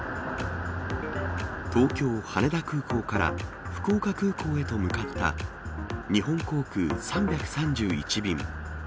東京・羽田空港から福岡空港へと向かった日本航空３３１便。